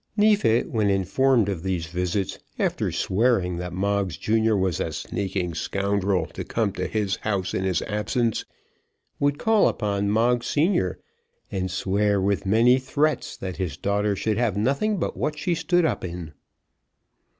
Neefit, when informed of these visits, after swearing that Moggs junior was a sneaking scoundrel to come to his house in his absence, would call upon Moggs senior, and swear with many threats that his daughter should have nothing but what she stood up in.